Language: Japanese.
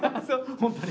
本当に？